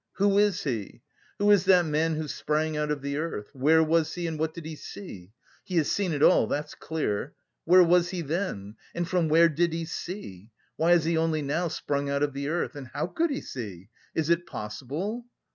"Who is he? Who is that man who sprang out of the earth? Where was he, what did he see? He has seen it all, that's clear. Where was he then? And from where did he see? Why has he only now sprung out of the earth? And how could he see? Is it possible?